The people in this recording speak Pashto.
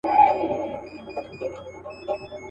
انګرېزان په مخالفت پوهېدل.